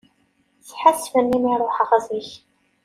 Sḥassfen mi ruḥeɣ zik.